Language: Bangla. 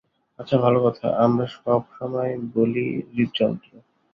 আচ্ছা ভালো কথা, আমরা সবসময় বলি হৃদযন্ত্র।